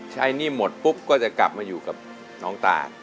หนี้หมดปุ๊บก็จะกลับมาอยู่กับน้องตา